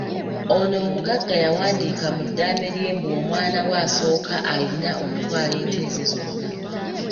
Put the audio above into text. Ono omugagga ya wandiika mu ddaame lye mbu omwana we asooka ayina okutwala ente ze zonna.